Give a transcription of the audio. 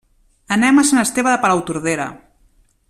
Anem a Sant Esteve de Palautordera.